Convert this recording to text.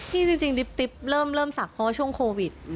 จริงดิบเริ่มศักดิ์เพราะว่าช่วงโควิด